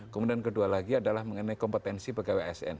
kemudian kedua lagi adalah mengenai kompetensi bagi wsn